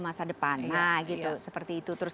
masa depan nah seperti itu